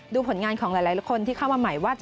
ผลงานของหลายคนที่เข้ามาใหม่ว่า